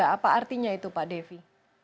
apa artinya itu pak devi